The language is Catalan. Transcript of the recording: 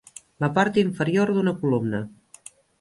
La part inferior d'una columna.